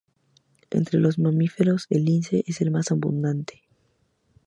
Entre los mamíferos el lince es el más abundante.